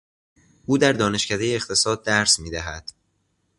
او در دانشکدهٔ اقتصاد درس میدهد.